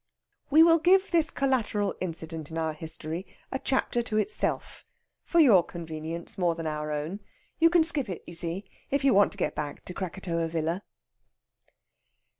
We will give this collateral incident in our history a chapter to itself, for your convenience more than our own. You can skip it, you see, if you want to get back to Krakatoa Villa.